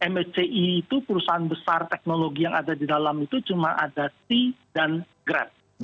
msci itu perusahaan besar teknologi yang ada di dalam itu cuma ada t dan grab